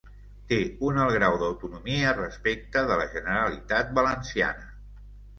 Té un alt grau d'autonomia respecte de la Generalitat Valenciana.